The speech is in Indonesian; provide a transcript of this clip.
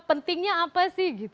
pentingnya apa sih